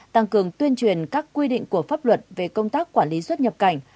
tăng cường tuyên truyền các quy định của pháp luật về công tác quản lý xuất nhập cảnh